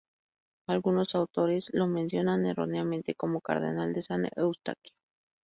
Algunos autores lo mencionan erróneamente como cardenal de San Eustaquio.